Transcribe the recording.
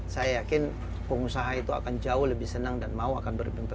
saya yakin pengusaha itu akan jauh lebih senang dan mau akan berpengalaman